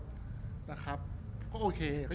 รูปนั้นผมก็เป็นคนถ่ายเองเคลียร์กับเรา